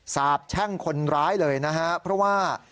สาบแช่งคนร้ายเลยนะฮะเพราะว่า